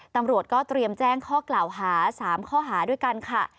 ตำรวจก็เตรียมแจ้งข้อกล่าวหา๓ข้อหาด้วยกันค่ะ